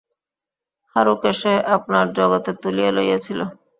হারুকে সে আপনার জগতে তুলিয়া লাইয়াছিল।